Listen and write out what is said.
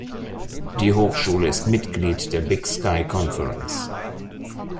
Die Hochschule ist Mitglied der Big Sky Conference.